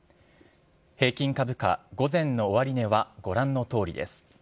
平均株価午前の終値はご覧のとおりです。